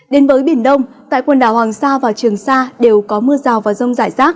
đến với biển đông tại quần đảo hoàng sa và trường sa đều có mưa rào và rông rải rác